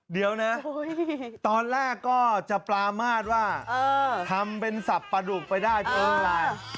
เดี๋ยวนะตอนแรกก็จะปรามาทว่าทำเป็นสับปลาดุกไปได้เพื่ออะไร